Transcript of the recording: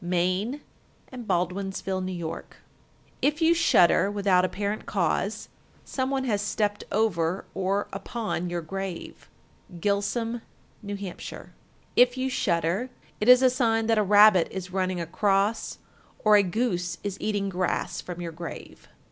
Maine and Baldwinsville, N.Y. 1371. If you shudder without apparent cause, some one has stepped over or upon your grave. Gilsum, N.H. 1372. If you shudder, it is a sign that a rabbit is running across, or a goose is eating grass from your grave.